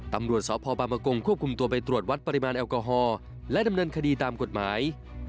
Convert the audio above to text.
ตำรวจสพบางประกงควบคุมตัวไปตรวจวัดปริมาณแอลกอฮอล์และดำเนินคดีตามกฎหมาย